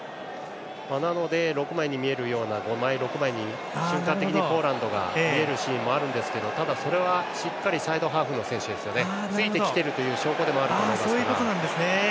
なので、５枚、６枚に瞬間的にポーランドが見えるシーンもあるんですけどただ、それはしっかりサイドハーフの選手がついてきている証拠でもあると思います。